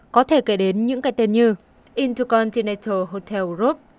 có thể kể đến những cái tên như intocontinenetal hotel group